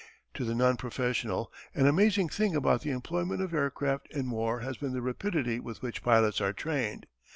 To the non professional an amazing thing about the employment of aircraft in war has been the rapidity with which pilots are trained.